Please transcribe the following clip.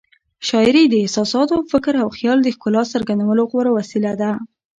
شاعري د احساساتو، فکر او خیال د ښکلا څرګندولو غوره وسیله ده.